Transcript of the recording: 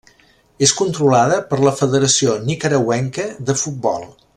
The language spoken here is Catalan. És controlada per la Federació Nicaragüenca de Futbol.